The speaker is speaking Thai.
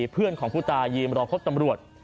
เพื่อนของผู้ตายยืมรอพบตำรวจ